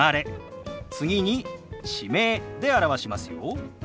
次に地名で表しますよ。